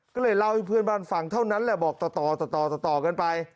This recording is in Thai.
ก็เลยเล่าให้เพื่อนบ้านฟังเท่านั้นแหละบอกต่อต่อกันไป